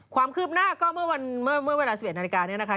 ความคืบหน้าก็เมื่อเวลาสิบเอ็ดนาฬิกานั้นนะคะ